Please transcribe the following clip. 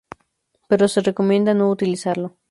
Pero se recomienda no utilizarlo.